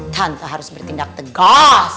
tante harus bertindak tegas